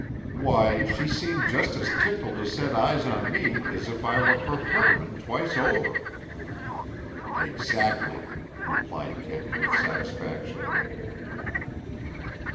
"Why, she seemed just as tickled to set eyes on me as if I were her Hermann twice over." "Exactly," replied Kent with satisfaction.